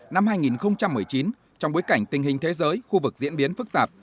năm hai nghìn một mươi chín trong bối cảnh tình hình thế giới khu vực diễn biến phức tạp